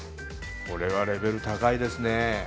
これはレベル高いですね。